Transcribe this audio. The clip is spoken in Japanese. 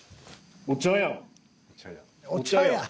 お茶やん！